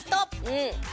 うん。